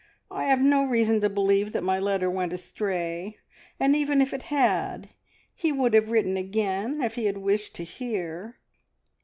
I have no reason to believe that my letter went astray, and even if it had, he would have written again if he had wished to hear.